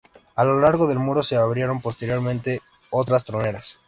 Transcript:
A lo largo del muro se abrieron posteriormente otras troneras.